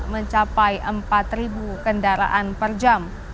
mencapai empat kendaraan per jam